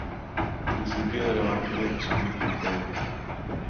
Principio del evangelio de Jesucristo, Hijo de Dios.